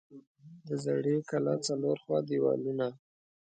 د زړې کلا څلور خوا دیوالونه